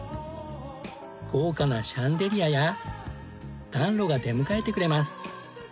豪華なシャンデリアや暖炉が出迎えてくれます。